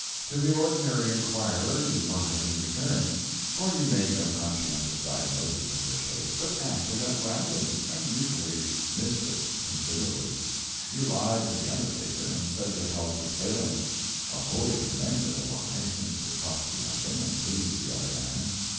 To the ordinary inquirer you lied in return; for you made no conscientious diagnosis of your case, but answered at random, and usually missed it considerably. You lied to the undertaker, and said your health was failing a wholly commendable lie, since it cost you nothing and pleased the other man.